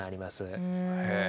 へえ。